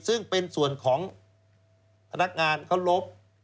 ซึ่งเป็นส่วนของพนักงานเขาลบ